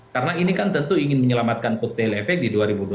karena ini kan tentu ingin menyelamatkan pt lfg di dua ribu dua puluh empat